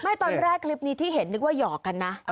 ตอนแรกคลิปนี้ที่เห็นนึกว่าหยอกกันนะ